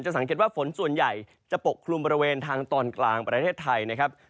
สังเกตว่าฝนส่วนใหญ่จะปกคลุมบริเวณทางตอนกลางประเทศไทยนะครับ